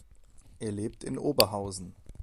Er lebt in Oberhausen.